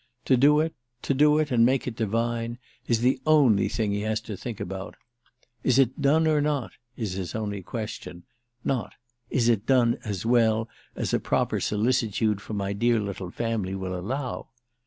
To do it—to do it and make it divine—is the only thing he has to think about. 'Is it done or not?' is his only question. Not 'Is it done as well as a proper solicitude for my dear little family will allow?